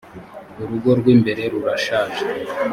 urugo rw ‘imbere rurashaje.